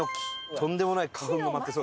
とんでもない花粉が舞ってそう。